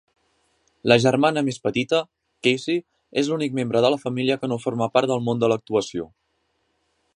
La germana més petita, Cassie, és l'únic membre de la família que no forma part del món de l'actuació.